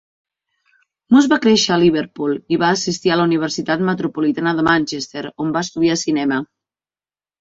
Moss va créixer a Liverpool i va assistir a la Universitat Metropolitana de Manchester, on va estudiar cinema.